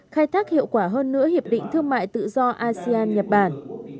khai thác hiệu quả hơn nữa hiệp định thương mại tự do asean nhật bản